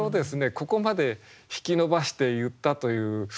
ここまで引き伸ばして言ったという。